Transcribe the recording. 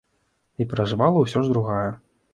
І пераважыла ўсё ж другая.